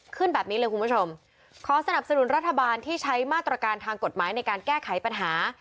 ขึ้นแบบนี้เลยคุณผู้ชมขอสนับสนุนรัฐบาลที่ใช้มาตรการทางกฎหมายในการแก้ไขปัญหา